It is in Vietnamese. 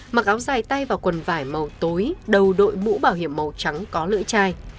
mặc áo dài tay vào quần vải màu tối đầu đội mũ bảo hiểm màu trắng có lưỡi chai